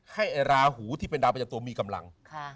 ให้ราหูที่เป็นดาวประจำตัวมีกำลัง